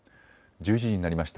１１時になりました。